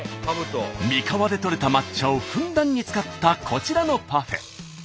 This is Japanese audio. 三河でとれた抹茶をふんだんに使ったこちらのパフェ。